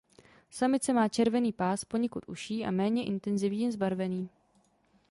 Samice má červený pás poněkud užší a méně intenzivně zbarvený.